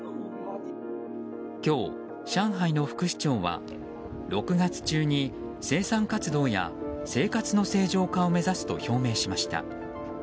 今日、上海の副市長は６月中に生産活動や生活の正常化を目指すと表明しました。